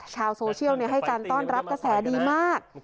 ชาวโซเชียลให้การต้อนรับกระแสดีมาก